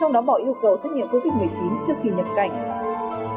trong đó bỏ yêu cầu xét nghiệm covid một mươi chín trước khi nhập cảnh